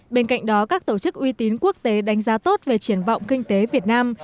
bên cạnh đó các tổ chức uy tín quốc tế đánh giá tốt về triển vọng kinh tế việt nam